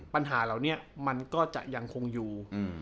ปัญหาเหล่านี้มันก็จะยังคงอยู่